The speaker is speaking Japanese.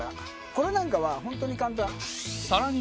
これなんかはホントに簡単。